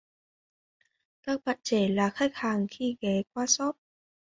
Các bạn trẻ là khách hàng khi ghé qua shop